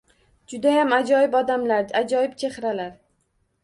Judayam ajoyib odamlar, ajoyib chehralar